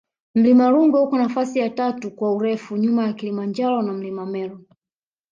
mlima rungwe uko nafasi ya tatu kwa urefu nyuma ya kilimanjaro na mlima meru